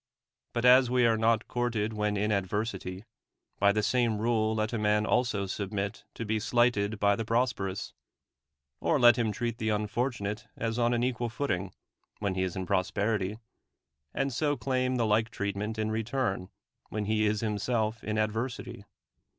But as we are not courted when in ad versity, by the same rule let a man also submit to be slighted by the prosperous; or let him treat the unfortunate as on an equal footing [when he is in prosperity], and so claim the like treat ment in return [when he is himself in ad versity]